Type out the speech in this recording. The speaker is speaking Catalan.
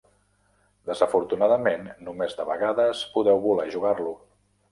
Desafortunadament, només de vegades podeu voler jugar-lo.